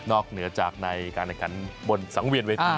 นอกเหนือจากในการกันบนสังเวียนเวที